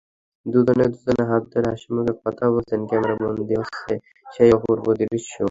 দুজনে দুজনের হাত ধরে হাসিমুখে কথা বলছেন, ক্যামেরাবন্দী হচ্ছে সেই অপূর্ব দৃশ্য।